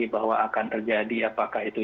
bahwa akan terjadi apakah itu